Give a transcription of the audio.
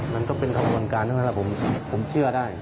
มันก็เป็นคำวัญการทั้งนั้นผมเชื่อได้